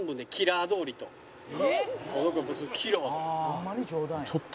「ホンマに冗談や」